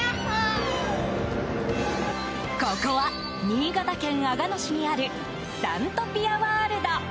ここは新潟県阿賀野市にあるサントピアワールド。